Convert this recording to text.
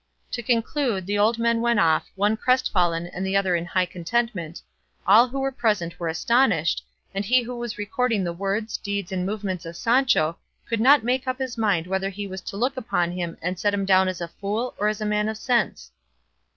To conclude, the old men went off, one crestfallen, and the other in high contentment, all who were present were astonished, and he who was recording the words, deeds, and movements of Sancho could not make up his mind whether he was to look upon him and set him down as a fool or as a man of sense.